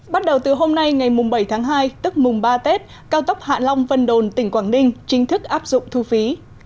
bắt đầu từ hôm nay ngày bảy tháng hai tức mùng ba tết cao tốc hạ long vân đồn tỉnh quảng ninh chính thức áp dụng thu phí